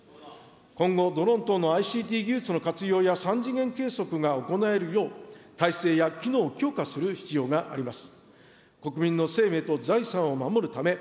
今後、ドローン等のＩＣＴ技術の活用や三次元計測が行えるよう、体制や機能を強化する必要があります。